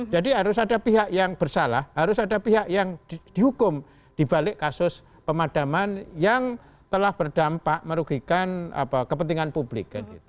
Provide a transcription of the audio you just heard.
jadi harus ada pihak yang bersalah harus ada pihak yang dihukum dibalik kasus pemadaman yang telah berdampak merugikan kepentingan publik